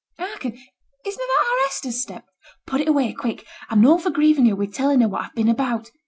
Hearken! Is na' that our Hester's step? Put it away, quick! I'm noane for grieving her wi' telling her what I've been about.